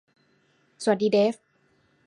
สวัสดีเดฟ